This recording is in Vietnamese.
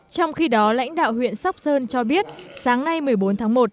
trong khi đó lãnh đạo huyện sóc sơn cho biết sáng nay một mươi bốn tháng một